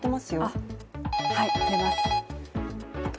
あっ、はい、出ます。